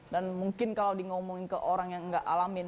dan mungkin kalau diomongin ke orang yang nggak alamin